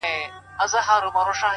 خيال ويل ه مـا پــرې وپاسه.!